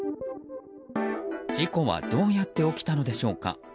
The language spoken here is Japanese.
事故はどうやって起きたのでしょうか。